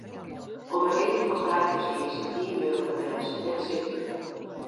Om reden fan privacy is it e-mailadres net sichtber.